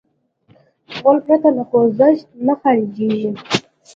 غول پرته له خوځښته نه خارجېږي.